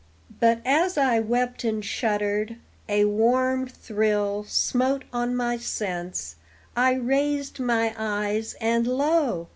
But as I wept and shuddered, a warm thrill Smote on my sense. I raised my eyes, and lo!